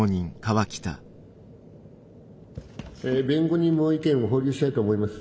え弁護人も意見を保留したいと思います。